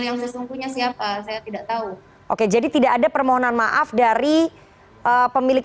yang sesungguhnya siapa saya tidak tahu oke jadi tidak ada permohonan maaf dari pemilik